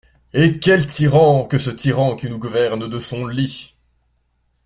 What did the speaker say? Et quel tyran que ce tyran qui nous gouverne de son lit !